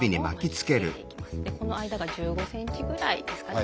この間が１５ｃｍぐらいですかね。